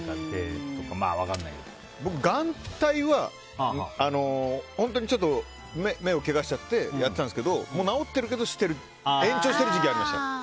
僕、眼帯は本当に目をけがしちゃってやってたんですけど治ってるけど延長してる時期ありました。